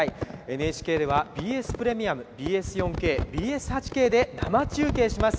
ＮＨＫではＢＳプレミアムＢＳ４ＫＢＳ８Ｋで生中継します。